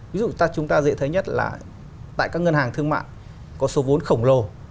ví dụ chúng ta dễ thấy nhất là tại các ngân hàng thương mạng có số vốn khổng lồ